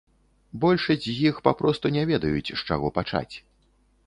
Большасць з іх папросту не ведаюць, з чаго пачаць.